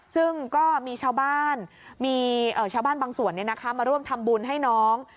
ซึ่งก็มีชาวบ้านมีชาวบ้านบางส่วนมาร่วมทำบุญให้น้อง